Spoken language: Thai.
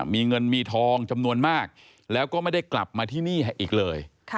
มีเงินมีทองจำนวนมากแล้วก็ไม่ได้กลับมาที่นี่อีกเลย